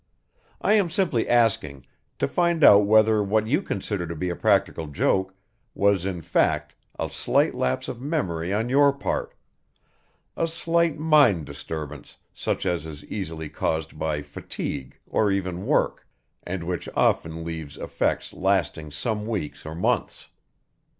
I am simply asking, to find out whether what you consider to be a practical joke was in fact a slight lapse of memory on your part, a slight mind disturbance such as is easily caused by fatigue or even work, and which often leaves effects lasting some weeks or months.